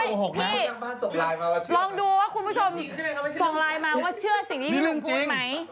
ใช่พี่ลองดูว่าคุณผู้ชมส่งไลน์มาว่าเชื่อสิ่งที่ลุงพูดไหม